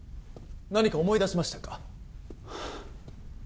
何か思い出しましたか？